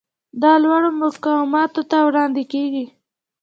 دا لوړو مقاماتو ته وړاندې کیږي.